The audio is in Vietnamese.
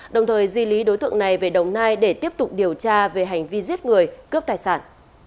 đồng thời di lý đối tượng này về đồng nai để tiếp tục điều tra về hành vi giết người cướp tài sản